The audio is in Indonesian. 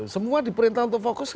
semua diperintah untuk fokus